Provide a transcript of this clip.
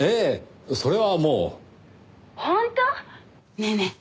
ねえねえ